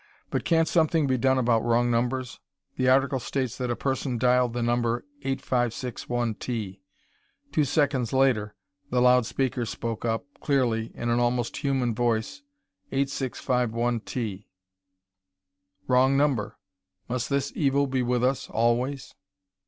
But can't something be done about wrong numbers? The article states that a person dialed the number 8561T. Two seconds later the loud speaker spoke up, clearly, in an almost human voice, 8651T. Wrong number! Must this evil be with us always!